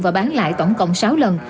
và bán lại tổng cộng sáu lần